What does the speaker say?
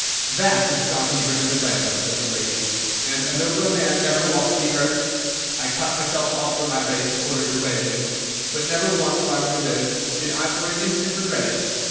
"That is John Hebron, of Atlanta," said the lady, "and a nobler man never walked the earth. I cut myself off from my race in order to wed him, but never once while he lived did I for an instant regret it.